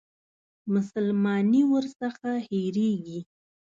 مسلماني ورڅخه هېرېږي.